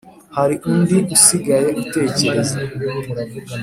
hari undi usigaye utekereza